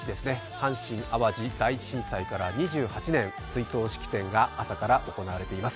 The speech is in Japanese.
阪神・淡路大震災から２８年、追悼式典が朝から行われています。